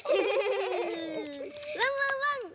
ワンワンワン！